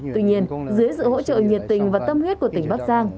tuy nhiên dưới sự hỗ trợ nhiệt tình và tâm huyết của tỉnh bắc giang